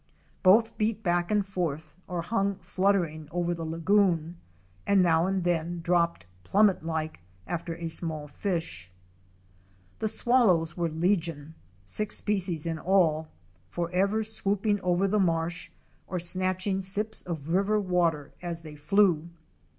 Both beat back and forth, or hung fluttering over the lagoon, and now and then dropped plummet like after a small fish. The Swallows were legion —six species in all, forever swoop ing over the marsh or snatching sips of river water as they flew.